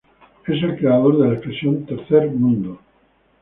Es el creador de la expresión "tercer mundo".